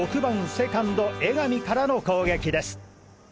セカンド江上からの攻撃です！